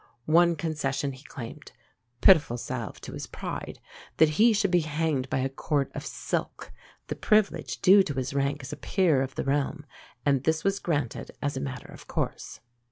One concession he claimed pitiful salve to his pride that he should be hanged by a cord of silk, the privilege due to his rank as a Peer of the realm; and this was granted as a matter of course.